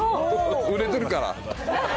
売れてるから。